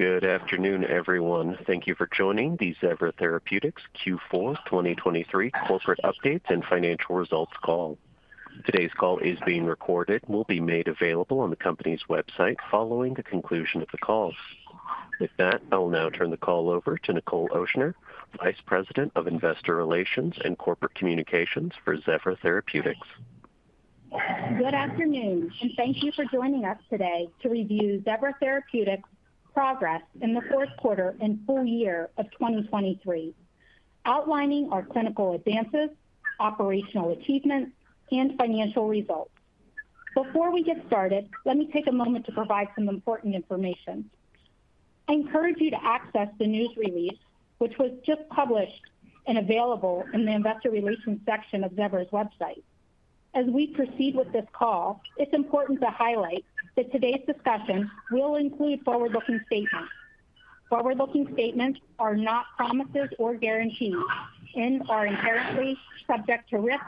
Good afternoon, everyone. Thank you for joining the Zevra Therapeutics Q4 2023 Corporate Updates and Financial Results call. Today's call is being recorded and will be made available on the company's website following the conclusion of the call. With that, I will now turn the call over to Nichol Ochsner, Vice President of Investor Relations and Corporate Communications for Zevra Therapeutics. Good afternoon, and thank you for joining us today to review Zevra Therapeutics' progress in the fourth quarter and full year of 2023, outlining our clinical advances, operational achievements, and financial results. Before we get started, let me take a moment to provide some important information. I encourage you to access the news release, which was just published and available in the Investor Relations section of Zevra's website. As we proceed with this call, it's important to highlight that today's discussion will include forward-looking statements. Forward-looking statements are not promises or guarantees and are inherently subject to risk,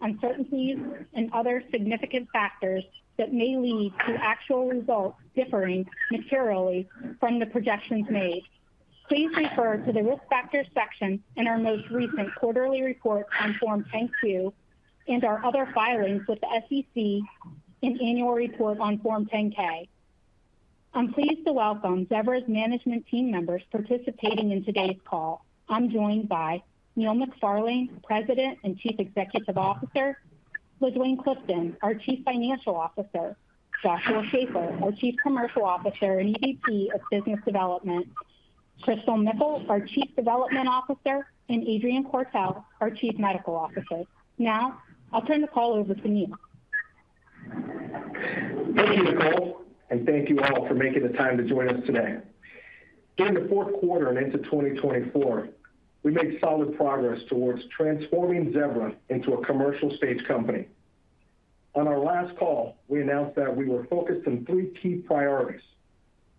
uncertainties, and other significant factors that may lead to actual results differing materially from the projections made. Please refer to the risk factors section in our most recent quarterly report on Form 10-Q and our other filings with the SEC and annual report on Form 10-K. I'm pleased to welcome Zevra's management team members participating in today's call. I'm joined by Neil McFarlane, President and Chief Executive Officer, LaDuane Clifton, our Chief Financial Officer, Joshua Schafer, our Chief Commercial Officer and EVP of Business Development, Christal Mickle, our Chief Development Officer, and Adrian Quartel, our Chief Medical Officer. Now, I'll turn the call over to Neil. Thank you, Nichol, and thank you all for making the time to join us today. Given the fourth quarter and into 2024, we made solid progress towards transforming Zevra into a commercial stage company. On our last call, we announced that we were focused on three key priorities.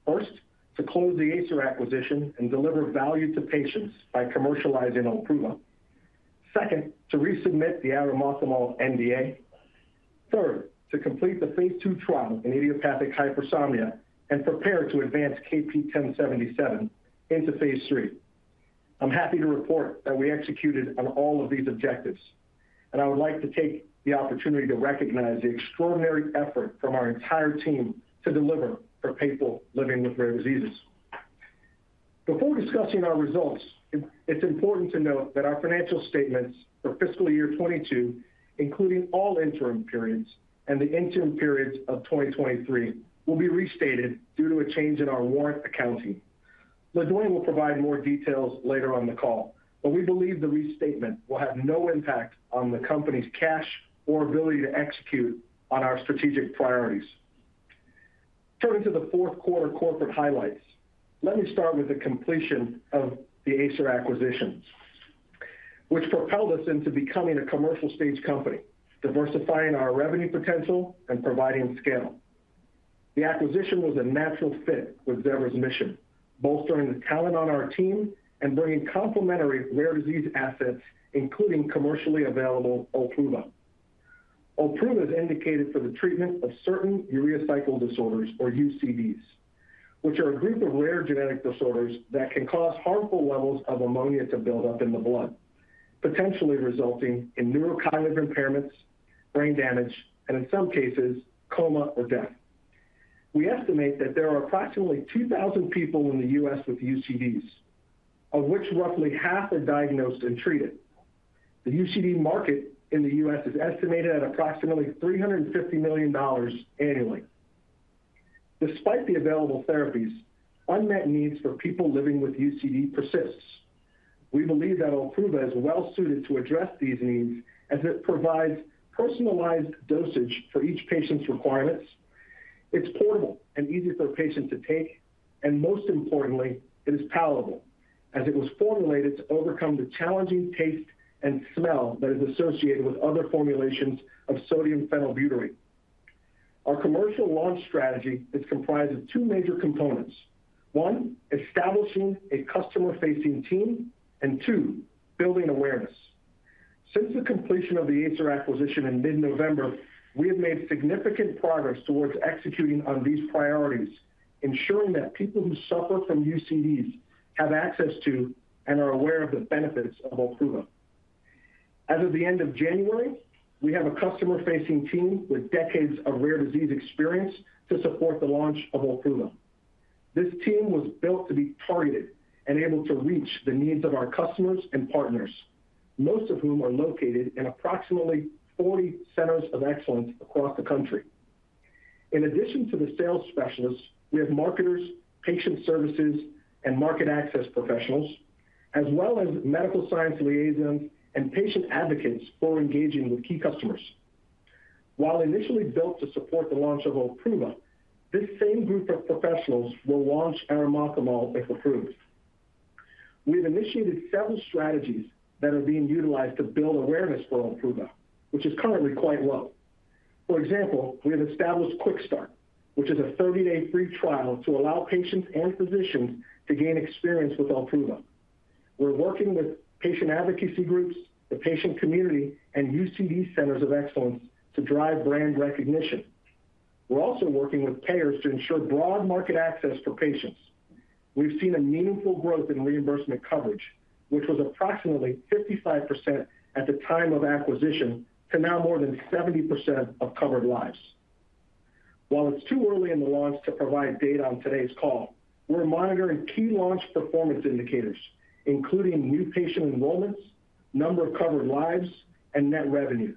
First, to close the Acer acquisition and deliver value to patients by commercializing OLPRUVA. Second, to resubmit the arimoclomol NDA. Third, to complete the phase 2 trial in idiopathic hypersomnia and prepare to advance KP1077 into phase 3. I'm happy to report that we executed on all of these objectives, and I would like to take the opportunity to recognize the extraordinary effort from our entire team to deliver for people living with rare diseases. Before discussing our results, it's important to note that our financial statements for fiscal year 2022, including all interim periods and the interim periods of 2023, will be restated due to a change in our warrant accounting. LaDuane will provide more details later on the call, but we believe the restatement will have no impact on the company's cash or ability to execute on our strategic priorities. Turning to the fourth quarter corporate highlights, let me start with the completion of the Acer acquisition, which propelled us into becoming a commercial stage company, diversifying our revenue potential and providing scale. The acquisition was a natural fit with Zevra's mission, bolstering the talent on our team and bringing complementary rare disease assets, including commercially available OLPRUVA. OLPRUVA is indicated for the treatment of certain urea cycle disorders, or UCDs, which are a group of rare genetic disorders that can cause harmful levels of ammonia to build up in the blood, potentially resulting in neurocognitive impairments, brain damage, and in some cases, coma or death. We estimate that there are approximately 2,000 people in the U.S. with UCDs, of which roughly half are diagnosed and treated. The UCD market in the U.S. is estimated at approximately $350 million annually. Despite the available therapies, unmet needs for people living with UCD persists. We believe that OLPRUVA is well-suited to address these needs as it provides personalized dosage for each patient's requirements. It's portable and easy for a patient to take, and most importantly, it is palatable, as it was formulated to overcome the challenging taste and smell that is associated with other formulations of sodium phenylbutyrate. Our commercial launch strategy is comprised of two major components: one, establishing a customer-facing team; and two, building awareness. Since the completion of the Acer acquisition in mid-November, we have made significant progress towards executing on these priorities, ensuring that people who suffer from UCDs have access to and are aware of the benefits of OLPRUVA. As of the end of January, we have a customer-facing team with decades of rare disease experience to support the launch of OLPRUVA. This team was built to be targeted and able to reach the needs of our customers and partners, most of whom are located in approximately 40 centers of excellence across the country. In addition to the sales specialists, we have marketers, patient services, and market access professionals, as well as medical science liaisons and patient advocates for engaging with key customers. While initially built to support the launch of OLPRUVA, this same group of professionals will launch arimoclomol if approved. We have initiated several strategies that are being utilized to build awareness for OLPRUVA, which is currently quite low. For example, we have established Quick Start, which is a 30-day free trial to allow patients and physicians to gain experience with OLPRUVA. We're working with patient advocacy groups, the patient community, and UCD centers of excellence to drive brand recognition. We're also working with payers to ensure broad market access for patients. We've seen a meaningful growth in reimbursement coverage, which was approximately 55% at the time of acquisition to now more than 70% of covered lives. While it's too early in the launch to provide data on today's call, we're monitoring key launch performance indicators, including new patient enrollments, number of covered lives, and net revenue.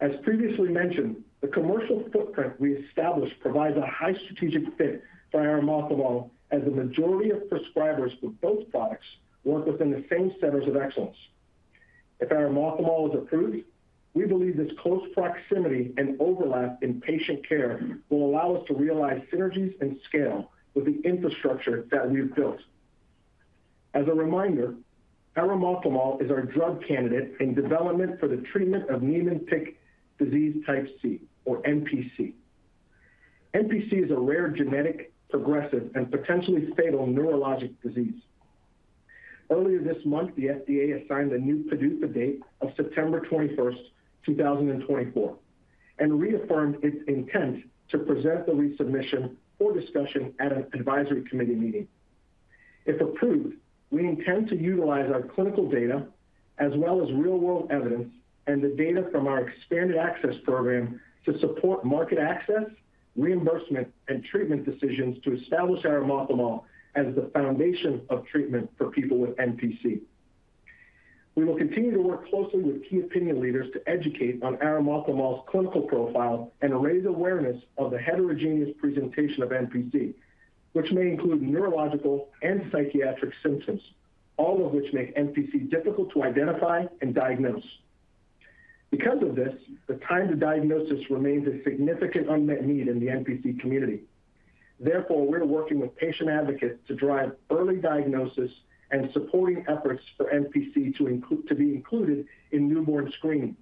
As previously mentioned, the commercial footprint we established provides a high strategic fit for arimoclomol as the majority of prescribers for both products work within the same centers of excellence. If arimoclomol is approved, we believe this close proximity and overlap in patient care will allow us to realize synergies and scale with the infrastructure that we've built. As a reminder, arimoclomol is our drug candidate in development for the treatment of Niemann-Pick disease type C, or NPC. NPC is a rare genetic, progressive, and potentially fatal neurologic disease. Earlier this month, the FDA assigned a new PDUFA date of September 21st, 2024, and reaffirmed its intent to present the resubmission for discussion at an advisory committee meeting. If approved, we intend to utilize our clinical data as well as real-world evidence and the data from our expanded access program to support market access, reimbursement, and treatment decisions to establish arimoclomol as the foundation of treatment for people with NPC. We will continue to work closely with key opinion leaders to educate on arimoclomol's clinical profile and raise awareness of the heterogeneous presentation of NPC, which may include neurological and psychiatric symptoms, all of which make NPC difficult to identify and diagnose. Because of this, the time to diagnosis remains a significant unmet need in the NPC community. Therefore, we're working with patient advocates to drive early diagnosis and supporting efforts for NPC to be included in newborn screening.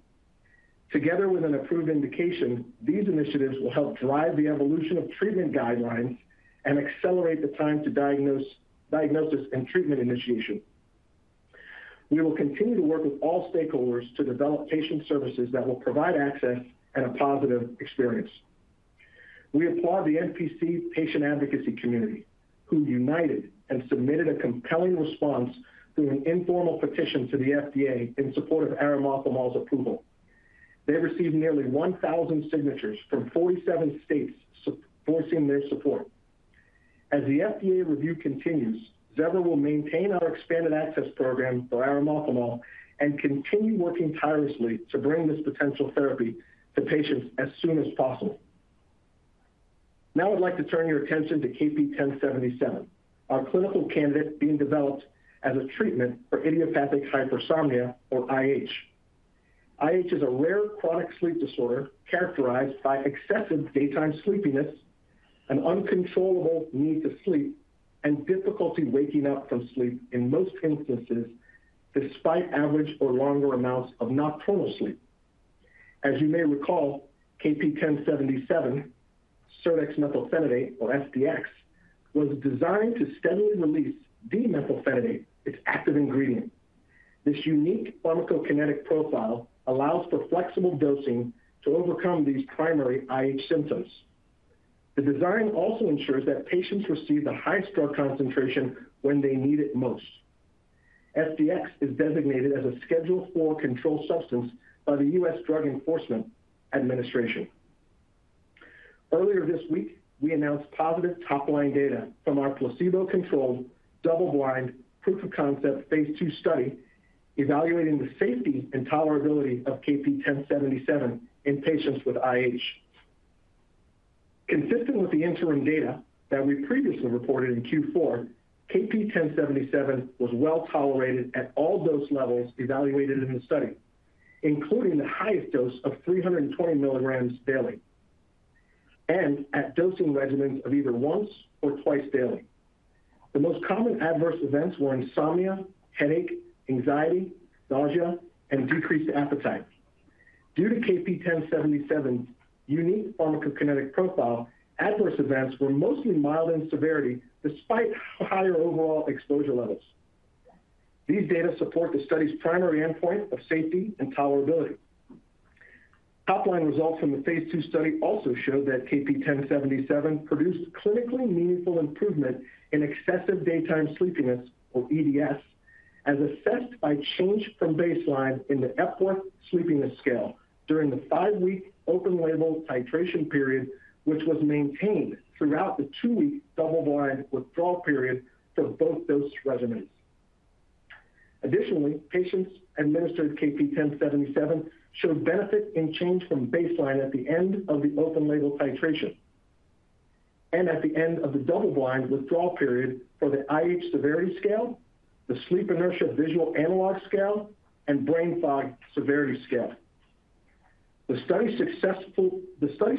Together with an approved indication, these initiatives will help drive the evolution of treatment guidelines and accelerate the time to diagnosis and treatment initiation. We will continue to work with all stakeholders to develop patient services that will provide access and a positive experience. We applaud the NPC patient advocacy community, who united and submitted a compelling response through an informal petition to the FDA in support of arimoclomol's approval. They received nearly 1,000 signatures from 47 states forcing their support. As the FDA review continues, Zevra will maintain our expanded access program for arimoclomol and continue working tirelessly to bring this potential therapy to patients as soon as possible. Now, I'd like to turn your attention to KP1077, our clinical candidate being developed as a treatment for idiopathic hypersomnia, or IH. IH is a rare chronic sleep disorder characterized by excessive daytime sleepiness, an uncontrollable need to sleep, and difficulty waking up from sleep in most instances despite average or longer amounts of nocturnal sleep. As you may recall, KP1077, serdexmethylphenidate, or SDX, was designed to steadily release d-methylphenidate, its active ingredient. This unique pharmacokinetic profile allows for flexible dosing to overcome these primary IH symptoms. The design also ensures that patients receive the highest drug concentration when they need it most. SDX is designated as a Schedule IV controlled substance by the U.S. Drug Enforcement Administration. Earlier this week, we announced positive top-line data from our placebo-controlled, double-blind, proof-of-concept phase 2 study evaluating the safety and tolerability of KP1077 in patients with IH. Consistent with the interim data that we previously reported in Q4, KP1077 was well tolerated at all dose levels evaluated in the study, including the highest dose of 320 milligrams daily and at dosing regimens of either once or twice daily. The most common adverse events were insomnia, headache, anxiety, nausea, and decreased appetite. Due to KP1077's unique pharmacokinetic profile, adverse events were mostly mild in severity despite higher overall exposure levels. These data support the study's primary endpoint of safety and tolerability. Top-line results from the phase 2 study also showed that KP1077 produced clinically meaningful improvement in excessive daytime sleepiness, or EDS, as assessed by change from baseline in the Epworth Sleepiness Scale during the five-week open-label titration period, which was maintained throughout the two-week double-blind withdrawal period for both dose regimens. Additionally, patients administered KP1077 showed benefit in change from baseline at the end of the open-label titration and at the end of the double-blind withdrawal period for the IH Severity Scale, the Sleep Inertia Visual Analog Scale, and Brain Fog Severity Scale. The study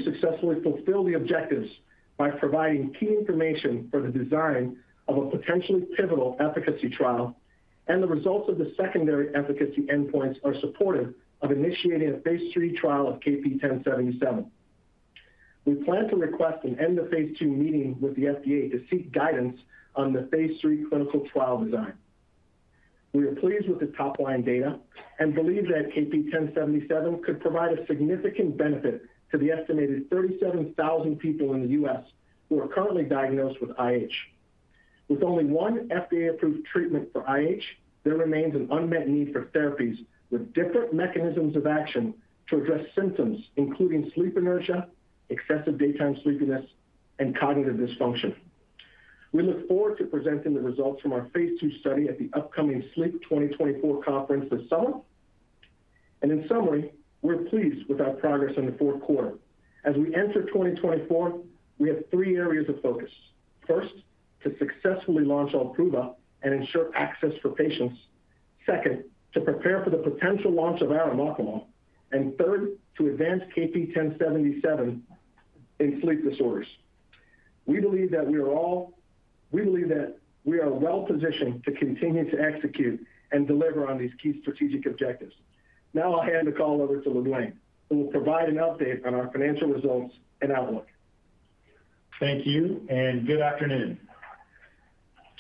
successfully fulfilled the objectives by providing key information for the design of a potentially pivotal efficacy trial, and the results of the secondary efficacy endpoints are supportive of initiating a phase 3 trial of KP1077. We plan to request an end-of-phase 2 meeting with the FDA to seek guidance on the phase 3 clinical trial design. We are pleased with the top-line data and believe that KP1077 could provide a significant benefit to the estimated 37,000 people in the U.S. who are currently diagnosed with IH. With only one FDA-approved treatment for IH, there remains an unmet need for therapies with different mechanisms of action to address symptoms, including sleep inertia, excessive daytime sleepiness, and cognitive dysfunction. We look forward to presenting the results from our phase 2 study at the upcoming SLEEP 2024 conference this summer. In summary, we're pleased with our progress in the fourth quarter. As we enter 2024, we have three areas of focus. First, to successfully launch OLPRUVA and ensure access for patients. Second, to prepare for the potential launch of arimoclomol. And third, to advance KP1077 in sleep disorders. We believe that we are well-positioned to continue to execute and deliver on these key strategic objectives. Now, I'll hand the call over to LaDuane, who will provide an update on our financial results and outlook. Thank you, and good afternoon.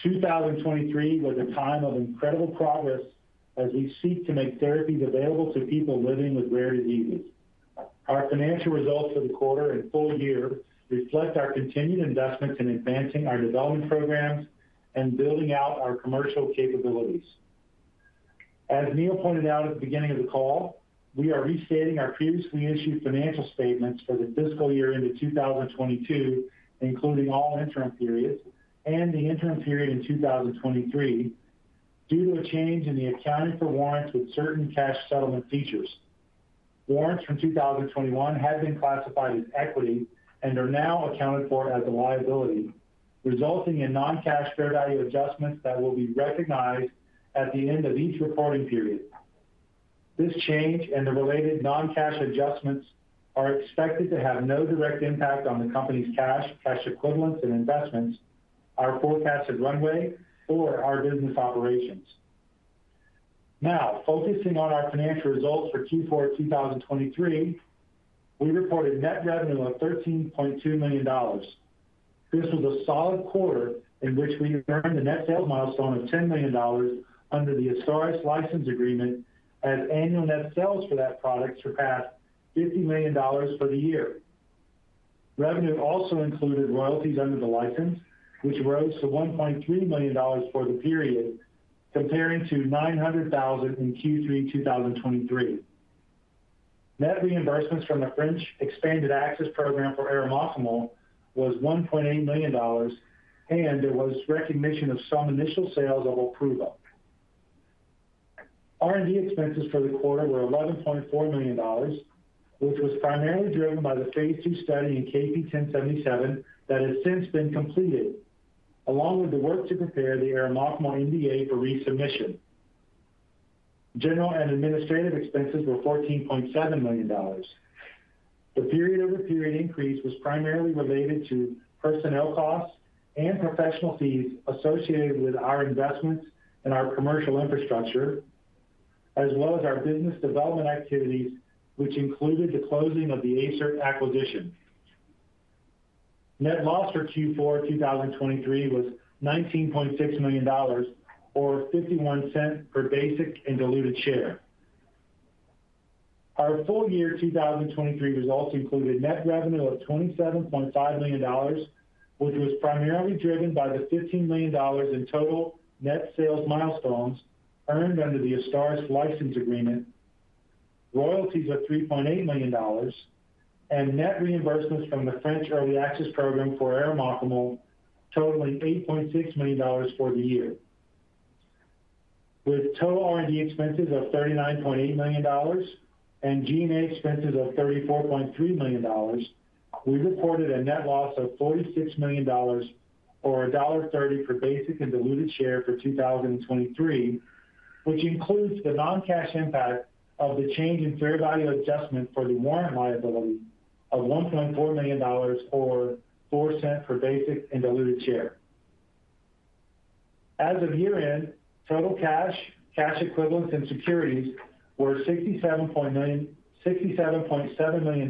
2023 was a time of incredible progress as we seek to make therapies available to people living with rare diseases. Our financial results for the quarter and full year reflect our continued investments in advancing our development programs and building out our commercial capabilities. As Neil pointed out at the beginning of the call, we are restating our previously issued financial statements for the fiscal year end of 2022, including all interim periods, and the interim period in 2023 due to a change in the accounting for warrants with certain cash settlement features. Warrants from 2021 had been classified as equity and are now accounted for as a liability, resulting in non-cash fair value adjustments that will be recognized at the end of each reporting period. This change and the related non-cash adjustments are expected to have no direct impact on the company's cash, cash equivalents, and investments, our forecasted runway, or our business operations. Now, focusing on our financial results for Q4 of 2023, we reported net revenue of $13.2 million. This was a solid quarter in which we earned the net sales milestone of $10 million under the AZSTARYS license agreement as annual net sales for that product surpassed $50 million for the year. Revenue also included royalties under the license, which rose to $1.3 million for the period, comparing to $900,000 in Q3 2023. Net reimbursements from the French expanded access program for arimoclomol was $1.8 million, and there was recognition of some initial sales of OLPRUVA. R&D expenses for the quarter were $11.4 million, which was primarily driven by the phase 2 study in KP1077 that has since been completed, along with the work to prepare the arimoclomol NDA for resubmission. General and administrative expenses were $14.7 million. The period-over-period increase was primarily related to personnel costs and professional fees associated with our investments in our commercial infrastructure, as well as our business development activities, which included the closing of the Acer acquisition. Net loss for Q4 2023 was $19.6 million, or $0.51 per basic and diluted share. Our full year 2023 results included net revenue of $27.5 million, which was primarily driven by the $15 million in total net sales milestones earned under the AZSTARYS license agreement, royalties of $3.8 million, and net reimbursements from the French early access program for arimoclomol, totaling $8.6 million for the year. With total R&D expenses of $39.8 million and G&A expenses of $34.3 million, we reported a net loss of $46 million, or $1.30 per basic and diluted share for 2023, which includes the non-cash impact of the change in fair value adjustment for the warrant liability of $1.4 million, or $0.04 per basic and diluted share. As of year-end, total cash, cash equivalents, and securities were $67.7 million,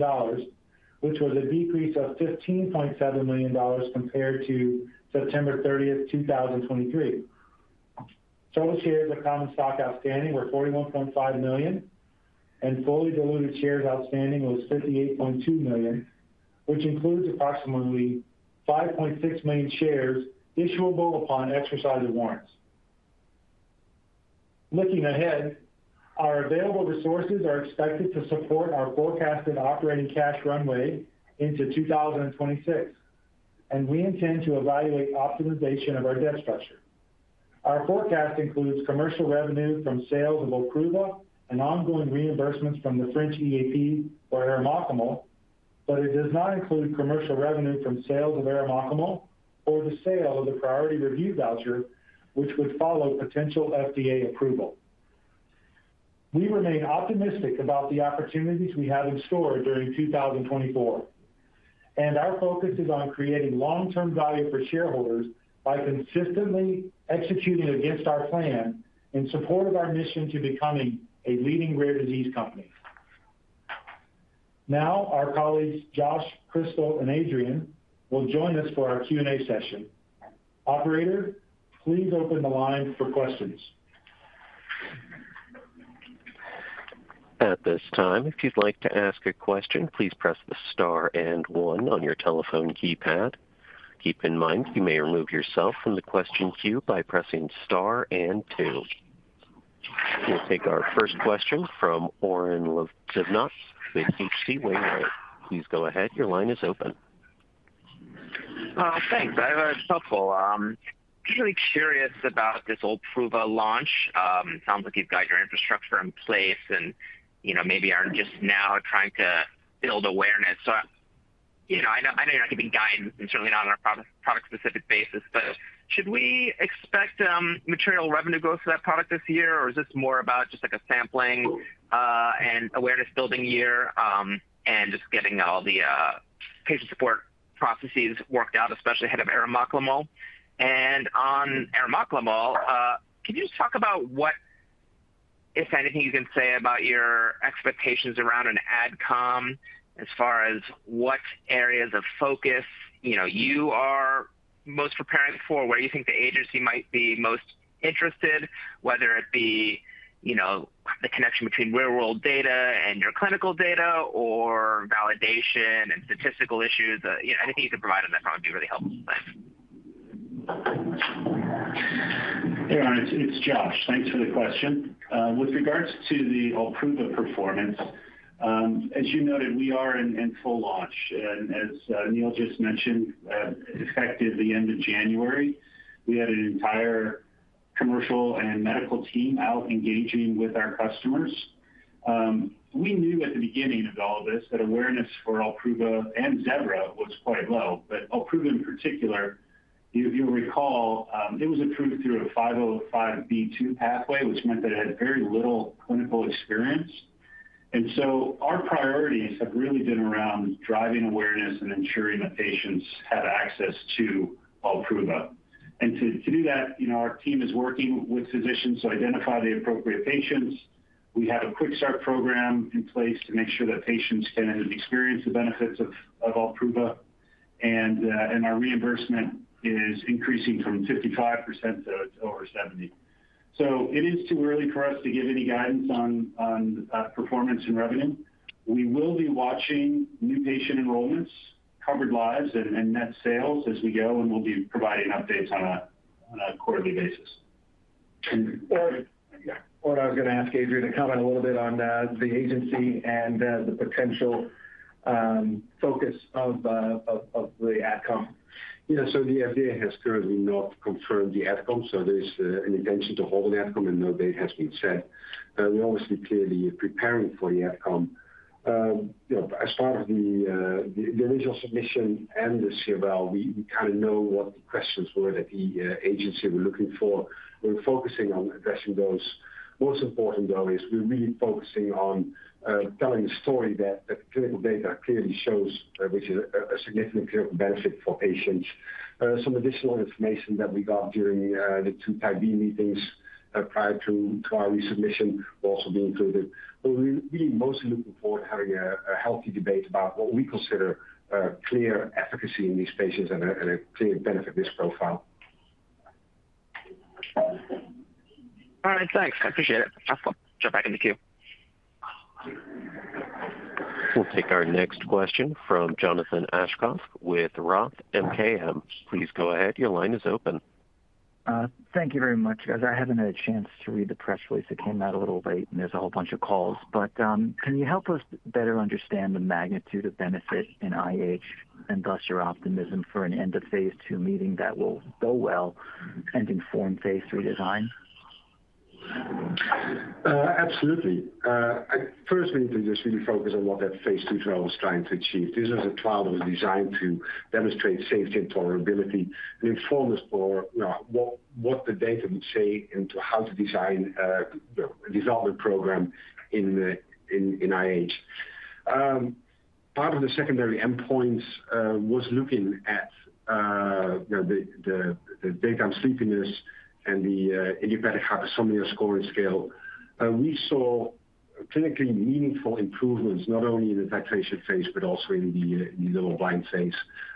which was a decrease of $15.7 million compared to September 30th, 2023. Total shares of common stock outstanding were 41.5 million, and fully diluted shares outstanding was 58.2 million, which includes approximately 5.6 million shares issuable upon exercise of warrants. Looking ahead, our available resources are expected to support our forecasted operating cash runway into 2026, and we intend to evaluate optimization of our debt structure. French EAP Our forecast includes commercial revenue from sales of OLPRUVA and ongoing reimbursements from the French EAP for arimoclomol, but it does not include commercial revenue from sales of arimoclomol or the sale of the priority review voucher, which would follow potential FDA approval. We remain optimistic about the opportunities we have in store during 2024, and our focus is on creating long-term value for shareholders by consistently executing against our plan in support of our mission to becoming a leading rare disease company. Now, our colleagues Josh, Christal, and Adrian will join us for our Q&A session. Operator, please open the line for questions. At this time, if you'd like to ask a question, please press the star and one on your telephone keypad. Keep in mind, you may remove yourself from the question queue by pressing star and two. We'll take our first question from Oren Livnat with H.C. Wainwright. Please go ahead. Your line is open. Thanks. I thought it was helpful. Just really curious about this OLPRUVA launch. Sounds like you've got your infrastructure in place and maybe aren't just now trying to build awareness. So I know you're not giving guidance and certainly not on a product-specific basis, but should we expect material revenue growth for that product this year, or is this more about just a sampling and awareness-building year and just getting all the patient support processes worked out, especially ahead of arimoclomol? And on arimoclomol, can you just talk about what, if anything, you can say about your expectations around an AdCom as far as what areas of focus you are most preparing for, where you think the agency might be most interested, whether it be the connection between real-world data and your clinical data or validation and statistical issues? Anything you can provide on that probably would be really helpful. Hey, Oren. It's Josh. Thanks for the question. With regards to the OLPRUVA performance, as you noted, we are in full launch. And as Neil just mentioned, effective the end of January, we had an entire commercial and medical team out engaging with our customers. We knew at the beginning of all of this that awareness for OLPRUVA and Zevra was quite low. But OLPRUVA, in particular, you'll recall, it was approved through a 505(b)(2) pathway, which meant that it had very little clinical experience. And so our priorities have really been around driving awareness and ensuring that patients have access to OLPRUVA. And to do that, our team is working with physicians to identify the appropriate patients. We have a quick-start program in place to make sure that patients can experience the benefits of OLPRUVA. And our reimbursement is increasing from 55% to over 70%. So it is too early for us to give any guidance on performance and revenue. We will be watching new patient enrollments, covered lives, and net sales as we go, and we'll be providing updates on a quarterly basis. Oren, I was going to ask Adrian to comment a little bit on the agency and the potential focus of the AdCom. Yeah. So the FDA has currently not confirmed the AdCom. So there's an intention to hold an AdCom, and no date has been said. We're obviously clearly preparing for the AdCom. As part of the initial submission and the CFL, we kind of know what the questions were that the agency were looking for. We're focusing on addressing those. Most important, though, is we're really focusing on telling the story that the clinical data clearly shows, which is a significant clinical benefit for patients. Some additional information that we got during the two Type B meetings prior to our resubmission will also be included. But we're really mostly looking forward to having a healthy debate about what we consider clear efficacy in these patients and a clear benefit risk profile. All right. Thanks. I appreciate it. I'll jump back in the queue. We'll take our next question from Jonathan Aschoff with Roth MKM. Please go ahead. Your line is open. Thank you very much, guys. I haven't had a chance to read the press release. It came out a little late, and there's a whole bunch of calls. But can you help us better understand the magnitude of benefit in IH and thus your optimism for an end-of-phase 2 meeting that will go well and inform phase 3 design? Absolutely. First, we need to just really focus on what that phase 2 trial was trying to achieve. This was a trial that was designed to demonstrate safety and tolerability and inform us for what the data would say into how to design a development program in IH. Part of the secondary endpoints was looking at the daytime sleepiness and the idiopathic hypersomnia scoring scale. We saw clinically meaningful improvements, not only in the titration phase but also in the double-blind phase.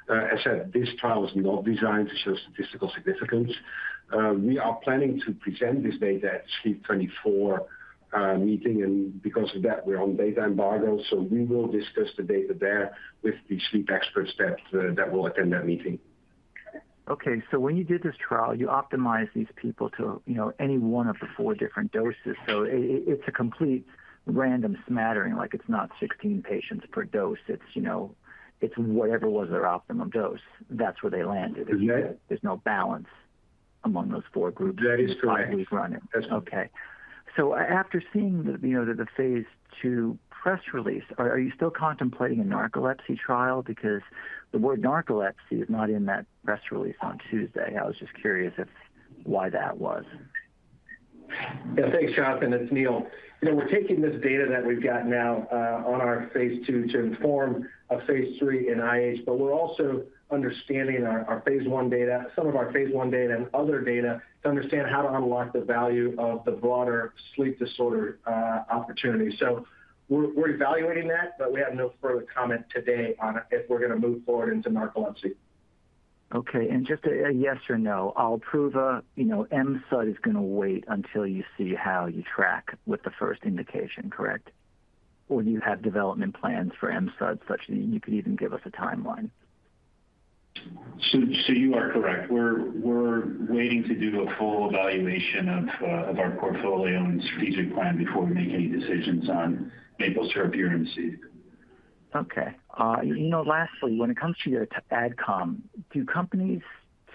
As said, this trial was not designed to show statistical significance. We are planning to present this data at the SLEEP 2024 meeting. And because of that, we're on data embargo. So we will discuss the data there with the sleep experts that will attend that meeting. Okay. So when you did this trial, you optimized these people to any one of the four different doses. So it's a complete random smattering. It's not 16 patients per dose. It's whatever was their optimum dose. That's where they landed. There's no balance among those four groups that we've run in. That is correct. Okay. So after seeing the phase 2 press release, are you still contemplating a narcolepsy trial? Because the word narcolepsy is not in that press release on Tuesday. I was just curious why that was. Yeah. Thanks, Jonathan. It's Neil. We're taking this data that we've got now on our phase 2 to inform a phase 3 in IH, but we're also understanding our phase 1 data, some of our phase 1 data, and other data to understand how to unlock the value of the broader sleep disorder opportunity. So we're evaluating that, but we have no further comment today on if we're going to move forward into narcolepsy. Okay. And just a yes or no, OLPRUVA MSUD is going to wait until you see how you track with the first indication, correct? Or do you have development plans for MSUD such that you could even give us a timeline? You are correct. We're waiting to do a full evaluation of our portfolio and strategic plan before we make any decisions on Maple Syrup Urine Disease. Okay. Lastly, when it comes to your AdCom, do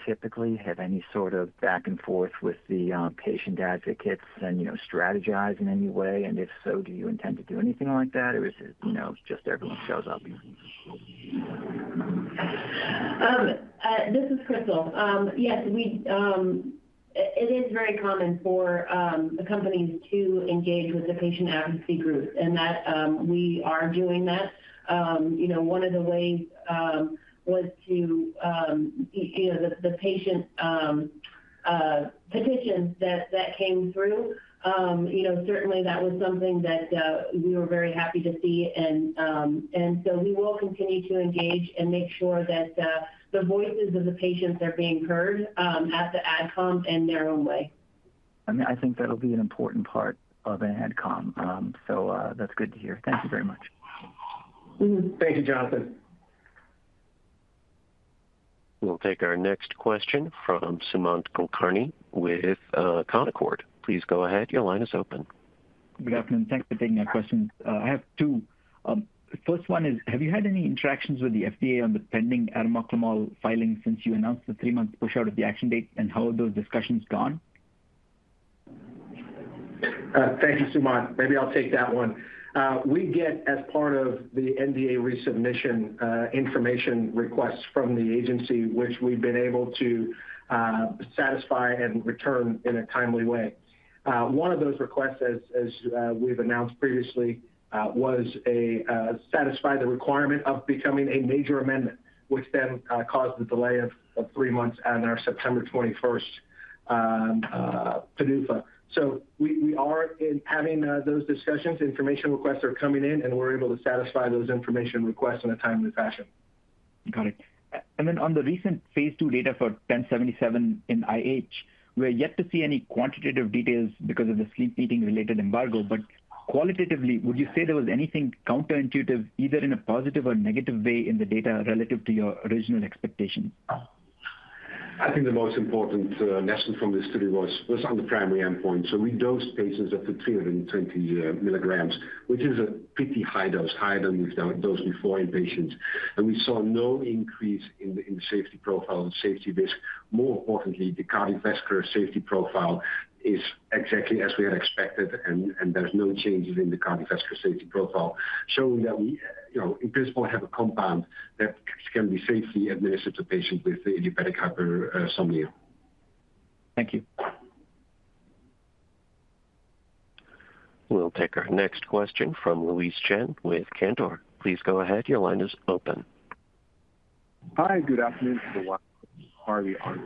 companies typically have any sort of back-and-forth with the patient advocates and strategize in any way? And if so, do you intend to do anything like that, or is it just everyone shows up? This is Christal. Yes. It is very common for companies to engage with the patient advocacy groups, and we are doing that. One of the ways was to the patient petitions that came through, certainly, that was something that we were very happy to see. And so we will continue to engage and make sure that the voices of the patients are being heard at the AdCom in their own way. I mean, I think that'll be an important part of an AdCom. So that's good to hear. Thank you very much. Thank you, Jonathan. We'll take our next question from Sumant Kulkarni with Canaccord. Please go ahead. Your line is open. Good afternoon. Thanks for taking our questions. I have two. First one is, have you had any interactions with the FDA on the pending arimoclomol filing since you announced the three-month push-out of the action date, and how have those discussions gone? Thank you, Sumant. Maybe I'll take that one. We get, as part of the NDA resubmission, information requests from the agency, which we've been able to satisfy and return in a timely way. One of those requests, as we've announced previously, was to satisfy the requirement of becoming a major amendment, which then caused the delay of three months on our September 21st PDUFA. So we are having those discussions. Information requests are coming in, and we're able to satisfy those information requests in a timely fashion. Got it. And then on the recent phase 2 data for 1077 in IH, we're yet to see any quantitative details because of the sleep meeting-related embargo. But qualitatively, would you say there was anything counterintuitive, either in a positive or negative way, in the data relative to your original expectation? I think the most important lesson from this study was on the primary endpoint. So we dosed patients up to 320 mg, which is a pretty high dose, higher than we've dosed before in patients. We saw no increase in the safety profile, the safety risk. More importantly, the cardiovascular safety profile is exactly as we had expected, and there's no changes in the cardiovascular safety profile showing that we, in principle, have a compound that can be safely administered to patients with idiopathic hypersomnia. Thank you. We'll take our next question from Louise Chen with Cantor. Please go ahead. Your line is open. Hi. Good afternoon to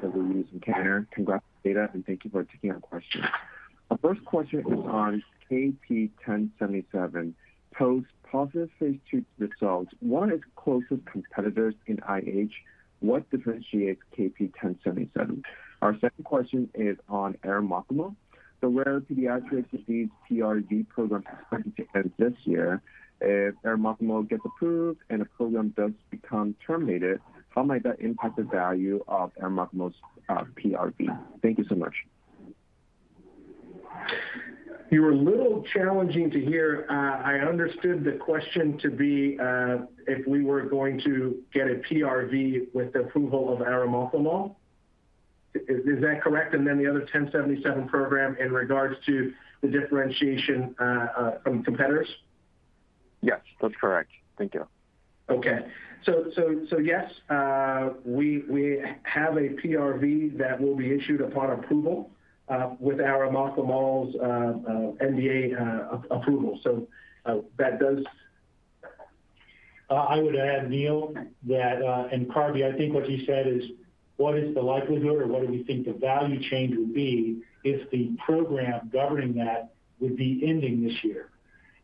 the Louise, Cantor. Congrats on the data, and thank you for taking our questions. Our first question is on KP1077. Post-positive phase 2 results, one is closest competitors in IH. What differentiates KP1077? Our second question is on arimoclomol. The rare pediatric disease PRV program is expected to end this year. If arimoclomol gets approved and the program does become terminated, how might that impact the value of arimoclomol's PRV? Thank you so much.+ You were a little challenging to hear. I understood the question to be if we were going to get a PRV with the approval of arimoclomol. Is that correct? And then the other 1077 program in regards to the differentiation from competitors? Yes. That's correct. Thank you. Okay. So yes, we have a PRV that will be issued upon approval with arimoclomol's NDA approval. So that does. I would add, Neil, that in [Carvey Leung], I think what you said is, what is the likelihood, or what do we think the value change would be if the program governing that would be ending this year?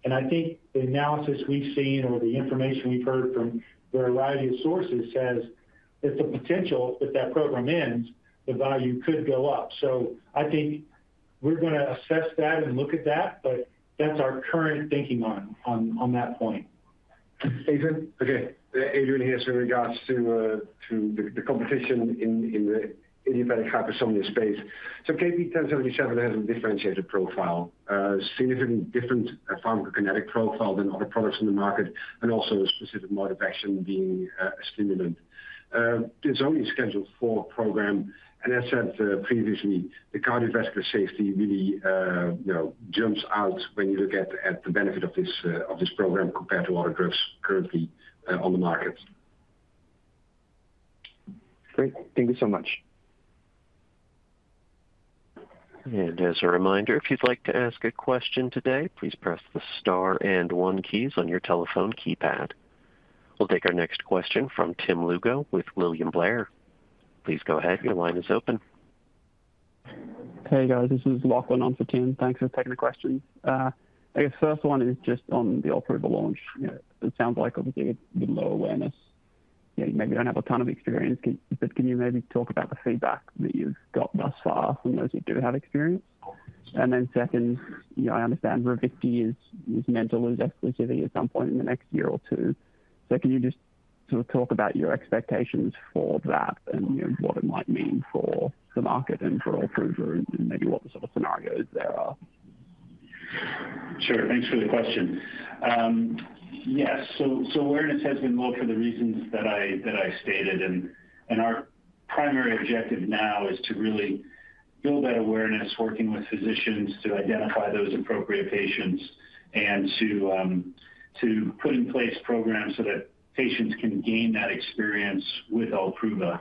And I think the analysis we've seen or the information we've heard from a variety of sources says that the potential, if that program ends, the value could go up. So I think we're going to assess that and look at that, but that's our current thinking on that point. Adrian? Okay. Adrian here in regards to the competition in the idiopathic hypersomnia space. So KP1077 has a differentiated profile, a significantly different pharmacokinetic profile than other products in the market, and also a specific mode of action being a stimulant. It's only a Schedule IV program. And as said previously, the cardiovascular safety really jumps out when you look at the benefit of this program compared to other drugs currently on the market. Great. Thank you so much. As a reminder, if you'd like to ask a question today, please press the star and one keys on your telephone keypad. We'll take our next question from Tim Lugo with William Blair. Please go ahead. Your line is open. Hey, guys. This is Lachlan on for Tim. Thanks for taking the question. I guess the first one is just on the OLPRUVA launch. It sounds like, obviously, with low awareness, maybe you don't have a ton of experience. But can you maybe talk about the feedback that you've got thus far from those who do have experience? And then second, I understand RAVICTI is meant to lose exclusivity at some point in the next year or two. So can you just sort of talk about your expectations for that and what it might mean for the market and for OLPRUVA and maybe what the sort of scenarios there are? Sure. Thanks for the question. Yes. So awareness has been low for the reasons that I stated. Our primary objective now is to really build that awareness, working with physicians to identify those appropriate patients, and to put in place programs so that patients can gain that experience with OLPRUVA.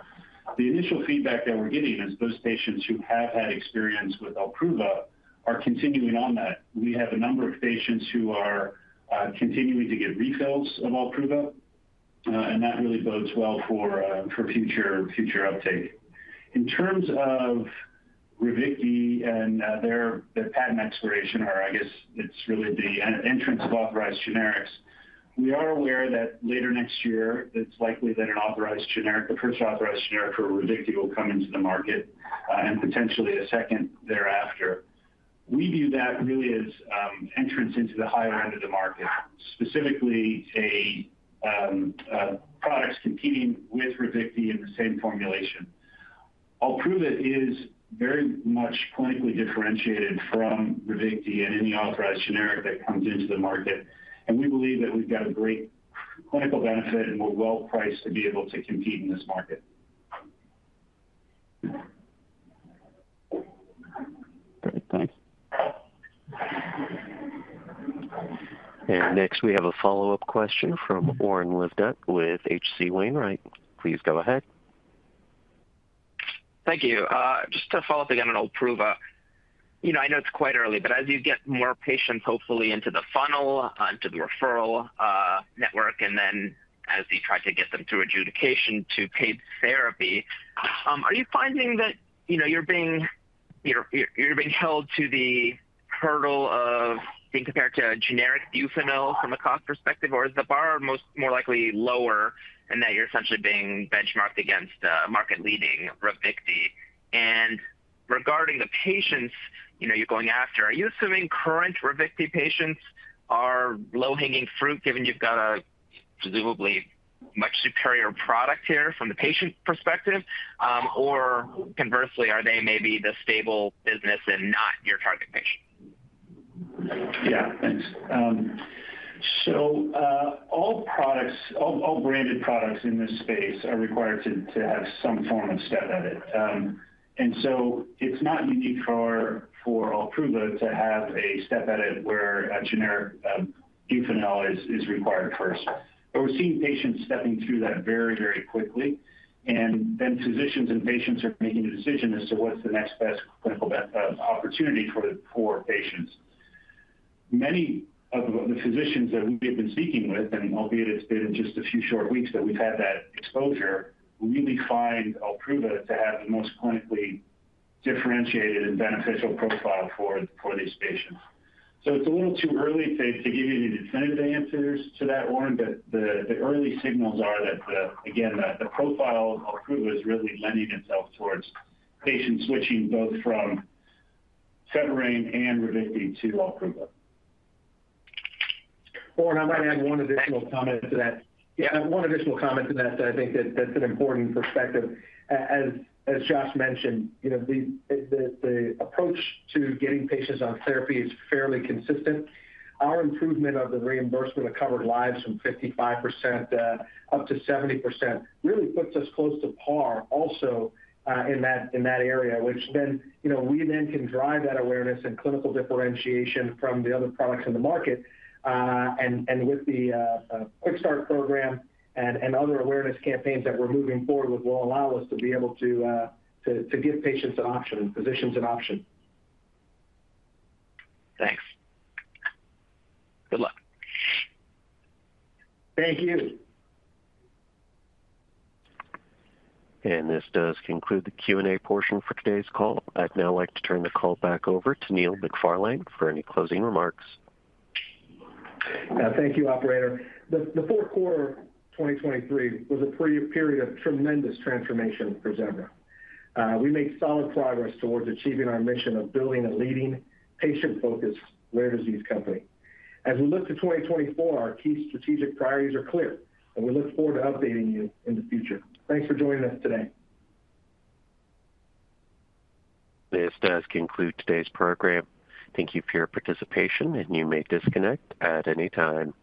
The initial feedback that we're getting is those patients who have had experience with OLPRUVA are continuing on that. We have a number of patients who are continuing to get refills of OLPRUVA, and that really bodes well for future uptake. In terms of RAVICTI and their patent expiration, or I guess it's really the entrance of authorized generics, we are aware that later next year, it's likely that an authorized generic, the first authorized generic for RAVICTI, will come into the market and potentially a second thereafter. We view that really as entrance into the higher end of the market, specifically products competing with RAVICTI in the same formulation. OLPRUVA is very much clinically differentiated from RAVICTI and any authorized generic that comes into the market. And we believe that we've got a great clinical benefit, and we're well-priced to be able to compete in this market. Great. Thanks. Next, we have a follow-up question from Oren Livnat with H.C. Wainwright. Please go ahead. Thank you. Just to follow up again on OLPRUVA, I know it's quite early, but as you get more patients, hopefully, into the funnel, into the referral network, and then as you try to get them through adjudication to paid therapy, are you finding that you're being held to the hurdle of being compared to a generic BUPHENYL from a cost perspective? Or is the bar more likely lower in that you're essentially being benchmarked against market-leading RAVICTI? And regarding the patients you're going after, are you assuming current RAVICTI patients are low-hanging fruit given you've got a presumably much superior product here from the patient perspective? Or conversely, are they maybe the stable business and not your target patient? Yeah. Thanks. So all branded products in this space are required to have some form of step edit. And so it's not unique for OLPRUVA to have a step edit where a generic BUPHENYL is required first. But we're seeing patients [audio distortion very, very quickly. And then physicians and patients are making a decision as to what's the next best clinical opportunity for patients. Many of the physicians that we have been speaking with, and albeit it's been just a few short weeks that we've had that exposure, really find OLPRUVA to have the most clinically differentiated and beneficial profile for these patients. So it's a little too early to give you any definitive answers to that, Oren, but the early signals are that, again, the profile of OLPRUVA is really lending itself towards patients switching both from PHEBURANE and RAVICTI to OLPRUVA. Oren, I might add one additional comment to that. Yeah, one additional comment to that. I think that that's an important perspective. As Josh mentioned, the approach to getting patients on therapy is fairly consistent. Our improvement of the reimbursement of covered lives from 55%-70% really puts us close to par also in that area, which then we then can drive that awareness and clinical differentiation from the other products in the market. And with the Quick Start program and other awareness campaigns that we're moving forward with will allow us to be able to give patients an option and physicians an option. Thanks. Good luck. Thank you. This does conclude the Q&A portion for today's call. I'd now like to turn the call back over to Neil McFarlane for any closing remarks. Thank you, operator. The fourth quarter of 2023 was a period of tremendous transformation for Zevra. We made solid progress towards achieving our mission of building a leading, patient-focused rare disease company. As we look to 2024, our key strategic priorities are clear, and we look forward to updating you in the future. Thanks for joining us today. This does conclude today's program. Thank you for your participation, and you may disconnect at any time.